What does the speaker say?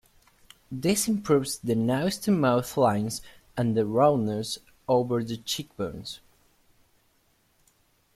This improves the nose-to-mouth lines and the roundness over the cheekbones.